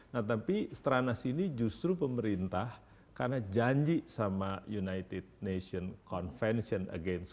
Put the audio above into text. nah tapi seterana sini justru pemerintah karena janji sama united nations convention against